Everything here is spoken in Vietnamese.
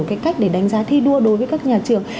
cái cách để đánh giá thi đua đối với các nhà trường